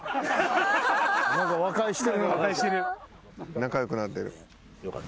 仲良くなってる。